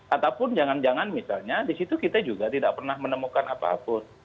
ataupun jangan jangan misalnya di situ kita juga tidak pernah menemukan apapun